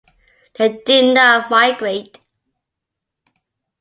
They do not migrate.